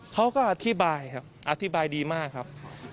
เขาก็อธิบายครับอธิบายดีมากครับ